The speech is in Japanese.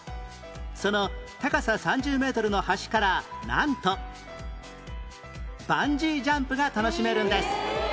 その高さ３０メートルの橋からなんとバンジージャンプが楽しめるんです